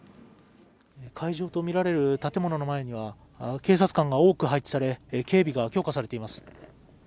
会場と見られる建物の前には警察官が多く配置され警備が強化されています